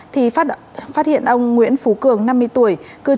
thì phát hiện ông nguyễn phú cường năm mươi tuổi